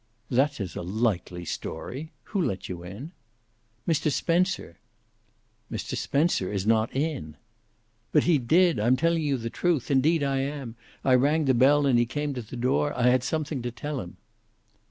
"That is a likely story! Who let you in?" "Mr. Spencer." "Mr. Spencer is not in." "But he did. I'm telling you the truth. Indeed I am. I rang the bell, and he came to the door. I had something to tell him."